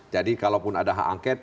jadi kalaupun ada hak angket